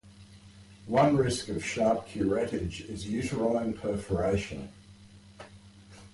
One risk of sharp curettage is uterine perforation.